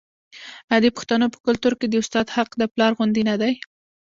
آیا د پښتنو په کلتور کې د استاد حق د پلار غوندې نه دی؟